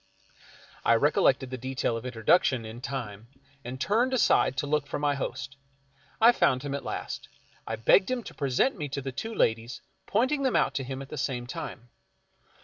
I recollected the detail of introduction in time, and turned aside to look for my host. I found him at last. I begged him to present me to the two ladies, pointing them out to him at the same time.